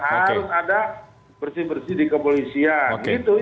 harus ada bersih bersih di kepolisian gitu